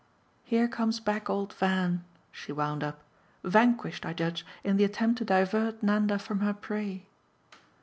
Here comes back old Van," she wound up, "vanquished, I judge, in the attempt to divert Nanda from her prey.